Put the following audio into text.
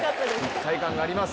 一体感があります。